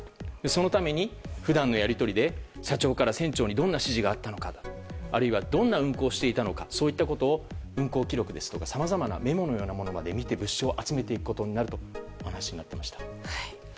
そのために、普段のやり取りで社長から船長にどんな指示があったのかあるいは、どんな運航をしていたのかということを運航記録や、さまざまなメモのようなものまで見て物証を集めていくことになるとお話しになっていました。